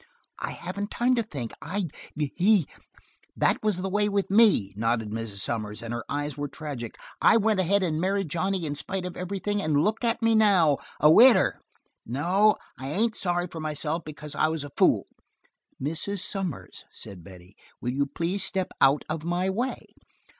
"I haven't time to think. I he " "That was the way with me," nodded Mrs. Sommers, and her eyes were tragic. "I went ahead and married Johnny in spite of everything, and look at me now a widder! No, I ain't sorry for myself because I was a fool." "Mrs. Sommers," said Betty, "will you please step out of my way?"